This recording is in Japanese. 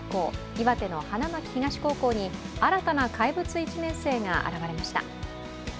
岩手の花巻東高校に新たな怪物１年生が現れました。